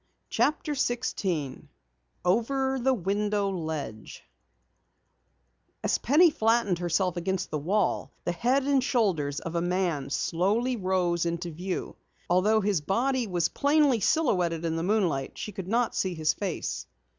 CHAPTER 16 OVER THE WINDOW LEDGE As Penny flattened herself against the wall, the head and shoulders of a man slowly rose into view. Although his body was plainly silhouetted in the moonlight, she could not see his face.